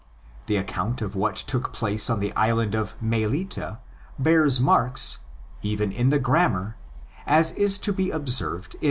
The account of what took place on the island of Melite bears marks, even in the grammar—as is to be observed in xxvill.